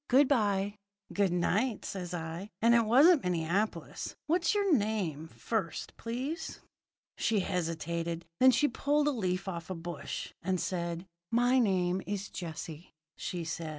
Good bye!' "'Good night,' says I, 'and it wasn't Minneapolis. What's your name, first, please?' "She hesitated. Then she pulled a leaf off a bush, and said: "'My name is Jessie,' says she.